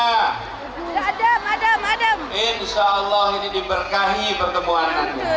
insya allah ini diberkahi pertemuan